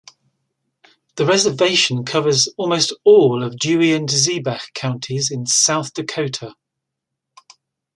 The reservation covers almost all of Dewey and Ziebach counties in South Dakota.